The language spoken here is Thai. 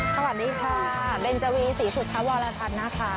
สวัสดีค่ะเบนเจอร์วีศรีสุทธิ์ธรรมวาลาทัศน์นะคะ